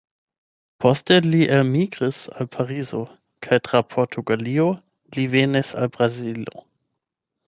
Poste li elmigris al Parizo kaj tra Portugalio li venis al Brazilo.